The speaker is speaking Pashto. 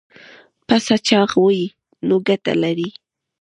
پسه چاغ وي نو ګټه لري.